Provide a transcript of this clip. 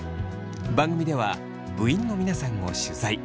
番組では部員の皆さんを取材。